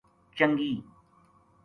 چنگی